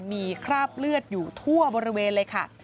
มีคราบเลือดอยู่ทั่วบริเวณเลยค่ะ